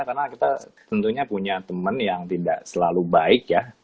karena kita tentunya punya teman yang tidak selalu baik ya